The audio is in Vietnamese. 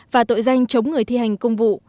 và tội danh chống người thi hành công vụ